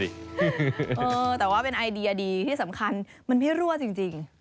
เออแต่ว่าเป็นไอเดียดีที่สำคัญมันไม่รั่วจริง